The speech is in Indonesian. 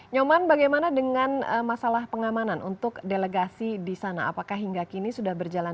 nyoman bagaimana dengan masalah pengamanan untuk delegasi di sana apakah hingga kini sudah berjalan